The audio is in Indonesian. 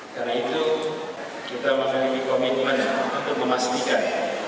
karena itu kita mengalami komitmen untuk memastikan